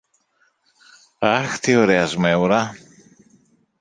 Αχ, τι ωραία σμέουρα!